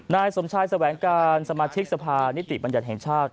นายสมชายแสวงการสมาชิกสภานิติบัญญัติแห่งชาติ